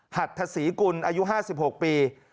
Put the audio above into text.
หัทธศรีกุลอายุ๕๖ปี